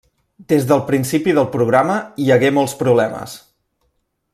Des del principi del programa hi hagué molts problemes.